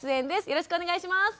よろしくお願いします。